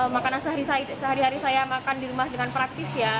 makanan sehari hari saya makan di rumah dengan praktis ya